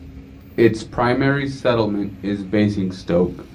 Its primary settlement is Basingstoke.